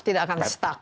tidak akan stuck ya